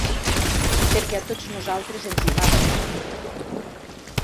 Perquè a tots nosaltres ens hi va la vida.